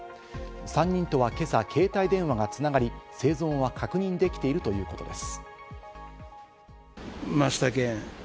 ３人とは今朝、携帯電話が繋がり、生存は確認できているということです。